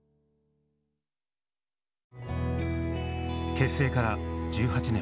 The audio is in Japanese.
結成から１８年。